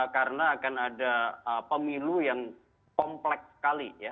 karena akan ada pemilu yang kompleks sekali ya